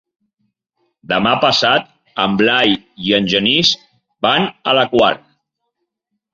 Demà passat en Blai i en Genís van a la Quar.